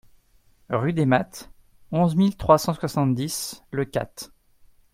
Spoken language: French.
Rue des Mattes, onze mille trois cent soixante-dix Leucate